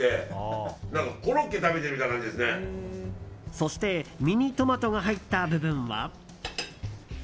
そしてミニトマトが入った部分は。